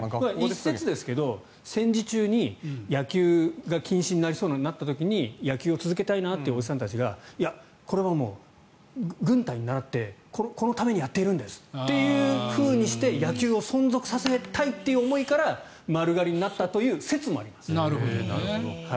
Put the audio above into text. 一説ですが、戦時中に野球が禁止になりそうになった時に野球を続けたいなというおじさんたちがこれは軍隊に倣ってこのためにやっているんですというふうにして野球を存続させたいという思いから丸刈りになったという説もあります。